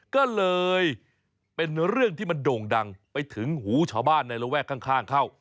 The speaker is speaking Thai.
ก็เลยเป็นเรื่องที่มันโด่งดังไปถึงหูชาวบ้านในระแวกข้างเข้า